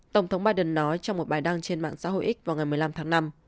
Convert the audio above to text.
tổng thống biden nói trong một bài đăng trên mạng xã hội x vào ngày một mươi năm tháng năm